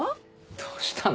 どうしたの？